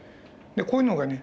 こういうのがね